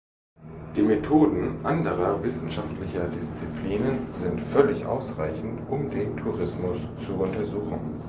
Die Methoden anderer wissenschaftlicher Disziplinen sind völlig ausreichend, um den Tourismus zu untersuchen.